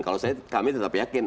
kalau kami tetap yakin